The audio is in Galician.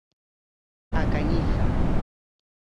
A Cañiza.